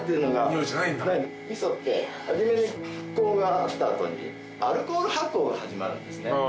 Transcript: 味噌ってはじめに発酵があった後にアルコール発酵が始まるんですね。